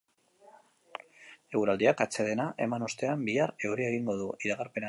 Eguraldiak atsedena eman ostean, bihar euria egingo du, iragarpenaren arabera.